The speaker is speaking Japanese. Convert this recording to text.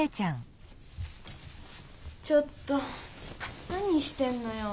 ちょっと何してんのよ？